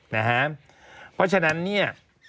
นะคะเพราะฉะนั้นนี่